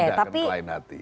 tidak akan kelain hati